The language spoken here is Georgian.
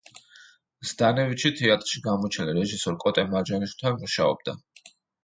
ზდანევიჩი თეატრში გამოჩენილ რეჟისორ კოტე მარჯანიშვილთან მუშაობდა.